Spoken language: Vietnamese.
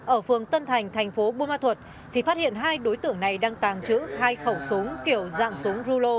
ở phường tân thành thành phố bù ma thuật thì phát hiện hai đối tượng này đang tàng trữ hai khẩu súng kiểu dạng súng rulo